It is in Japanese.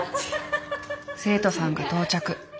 生徒さんが到着。